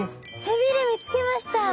背びれ見つけました。